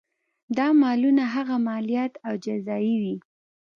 دا مالونه هغه مالیات او جزیې وې.